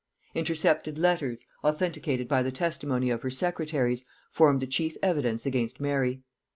Intercepted letters, authenticated by the testimony of her secretaries, formed the chief evidence against Mary.